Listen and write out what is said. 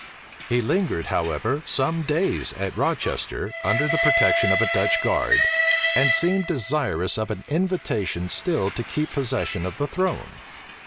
He lingered, however, some days at Rochester, under the protection of a Dutch guard, and seemed desirous of an invitation still to keep possession of the throne.